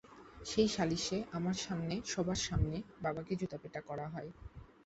সেই সালিসে আমার সামনে, সবার সামনে বাবাকে জুতা পেটা করা হয়।